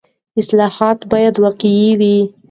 اصلاحات باید واقعي وي.